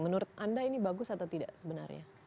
menurut anda ini bagus atau tidak sebenarnya